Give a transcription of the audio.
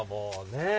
ねえ？